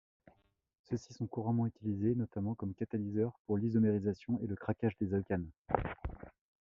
Ceux-ci sont couramment utilisés, notamment comme catalyseurs pour l’isomérisation et le craquage des alcanes.